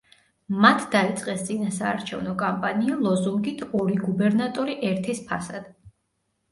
მათ დაიწყეს წინასაარჩევნო კამპანია ლოზუნგით „ორი გუბერნატორი ერთის ფასად“.